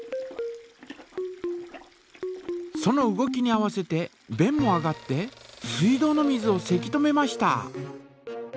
その動きに合わせてべんも上がって水道の水をせき止めました！